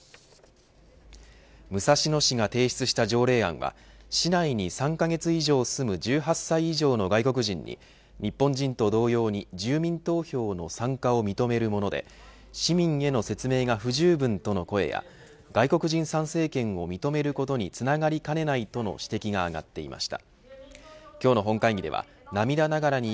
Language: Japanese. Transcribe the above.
武蔵野市が提出した条例案は市内に３カ月以上住む１８歳以上の外国人に日本人と同様に住民投票の参加を認めるもので市民への説明が不十分との声や外国人参政権を認めることにつながりかねないとの指摘があがっていました。